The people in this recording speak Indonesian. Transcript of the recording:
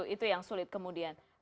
itu yang sulit kemudian